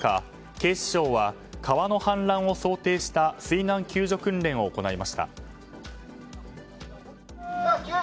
警視庁は、川の氾濫を想定した水難救助訓練を行いました。